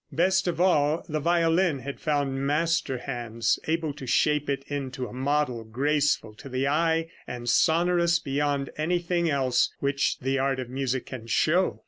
Best of all, the violin had found master hands able to shape it into a model graceful to the eye, and sonorous beyond anything else which the art of music can show.